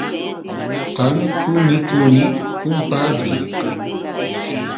Qam quni quni, kumpadri.